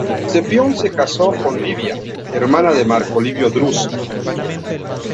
Cepión se casó con Livia, hermana de Marco Livio Druso.